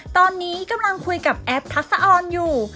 ตอนนี้กำลังคุยกับแอฟทักษะออนอยู่